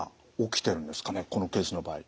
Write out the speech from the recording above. このケースの場合。